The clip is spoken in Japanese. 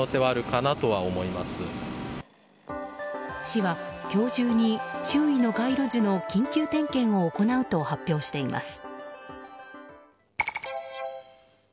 市は、今日中に周囲の街路樹の緊急点検を行うと発表しています。